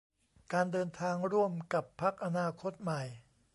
การเดินทางร่วมกับพรรคอนาคตใหม่